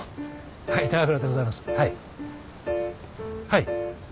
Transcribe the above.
はい。